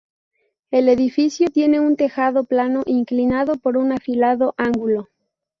El edificio tiene un tejado plano inclinado con un afilado ángulo.